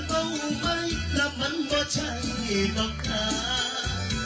ก่อสาวยิ้มเหลือหรือทักการ